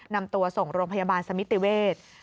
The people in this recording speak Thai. นำตัวส่งโรงพยาบาลสมิติเวศ